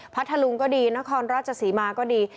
ทะลุงก็ดีนครราชศรีมาก็ดี